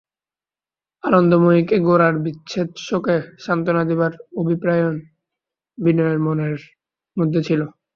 আনন্দময়ীকে গোরার বিচ্ছেদশোকে সান্ত্বনা দিবার অভিপ্রায়ও বিনয়ের মনের মধ্যে ছিল।